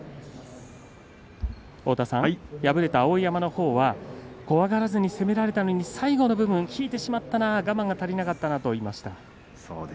敗れた碧山のほうは怖がらずに攻められたのに最後の部分引いてしまったな我慢が足りなかったなと言いました。